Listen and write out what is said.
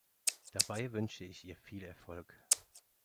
Dabei wünsche ich ihr viel Erfolg.